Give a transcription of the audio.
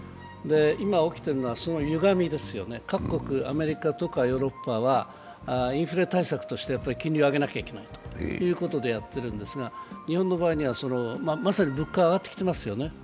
今起きているのはそのゆがみですよね、各国アメリカ、ヨーロッパなどはインフレ対策として、金利を上げなければいけないということでやってるんですが日本の場合にはまさに物価が上がってきていますよね。